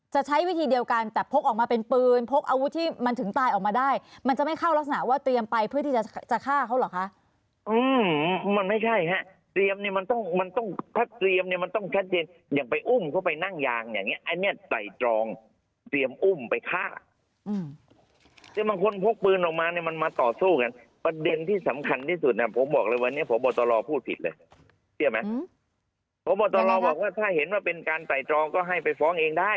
จะใช้วิธีเดียวกันแต่พกออกมาเป็นปืนพกอาวุธที่มันถึงตายออกมาได้มันจะไม่เข้ารักษณะว่าเตรียมไปเพื่อที่จะฆ่าเขาหรอคะ